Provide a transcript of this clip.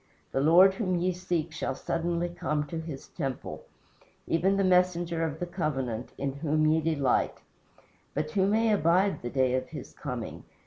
The Lord whom ye seek shall suddenly come to his temple: Even the messenger of the covenant, in whom ye delight; But who may abide the day of his coming?